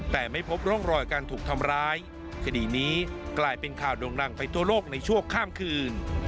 แต่ไม่พบร่องรอยการถูกทำร้ายคดีนี้กลายเป็นข่าวโด่งดังไปทั่วโลกในชั่วข้ามคืน